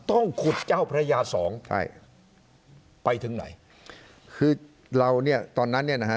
ต้องขุดเจ้าพระยาสองใช่ไปถึงไหนคือเราเนี่ยตอนนั้นเนี่ยนะฮะ